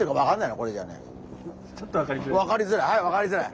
分かりづらい。